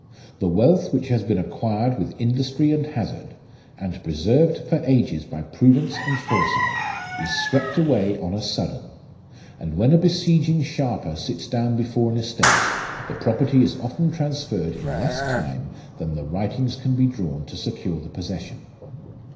The wealth which has been acquired with industry and hazard, and preserved for ages by prudence and foresight, is swept away on a sudden ; and when a besieging sharper sits down before an estate, the property is often transferred in less time than the writings can be drawn to secure the possession.